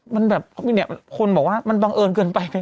มันแบบคนบอกว่ามันบังเอิญเกินไป